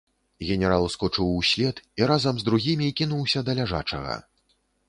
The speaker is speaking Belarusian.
Генерал скочыў услед і разам з другімі кінуўся да ляжачага.